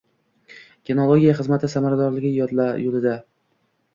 Kinologiya xizmati samaradorligi yo‘lidang